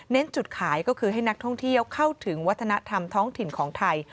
จุดขายก็คือให้นักท่องเที่ยวเข้าถึงวัฒนธรรมท้องถิ่นของไทย